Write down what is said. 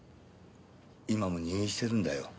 今も入院してるんだよ。